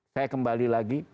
saya kembali lagi